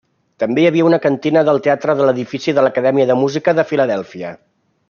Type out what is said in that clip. També hi havia una cantina del teatre a l’edifici de l'Acadèmia de Música de Filadèlfia.